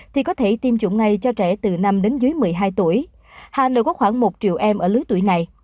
thì có thể tiêm chủng ngay cho trẻ từ năm đến dưới một mươi hai tuổi hà nội có khoảng một triệu em ở lứa tuổi này